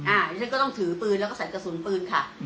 อันนี้ฉันก็ต้องถือปืนแล้วก็ใส่กระสุนปืนค่ะ